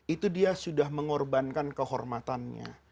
itu dia sudah mengorbankan kehormatannya